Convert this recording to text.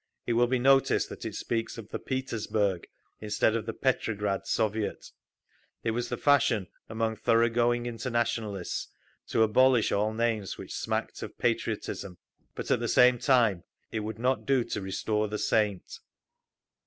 It will be noticed that the speaks of the Petersburg, instead of the Petrograd Soviet; it was the fashion among thorough going internationalists to abolish all names which smacked of "patriotism"; but at the same time, it would not do to restore the "Saint."